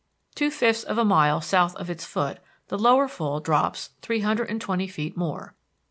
Two fifths of a mile south of its foot, the Lower Fall drops three hundred and twenty feet more.